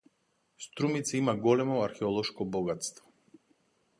Струмица има големо археолошко богатство.